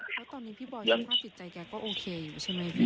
เพราะตอนนี้พี่บอยสภาพจิตใจแกก็โอเคอยู่ใช่ไหมพี่